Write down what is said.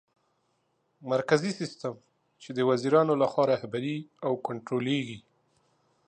مرکزي سیستم : چي د وزیرانو لخوا رهبري او کنټرولېږي